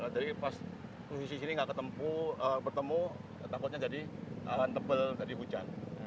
terus di sisi sini nggak ketemu bertemu takutnya jadi awan tebal jadi hujan